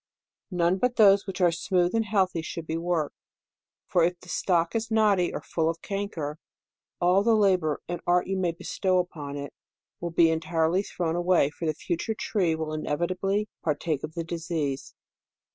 None but those which are smooth and healthy should J>e worked ; for if the stock is knotty or full of canker, all the labor and art you may bestow upon it, will be entirely thrown away ; for the future tree will inevi tably partake of the disease.